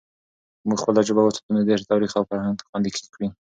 که موږ خپله ژبه وساتو، نو دیرش تاریخ او فرهنگ خوندي کړي.